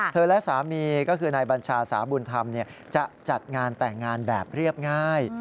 และสามีก็คือนายบัญชาสาบุญธรรมจะจัดงานแต่งงานแบบเรียบง่าย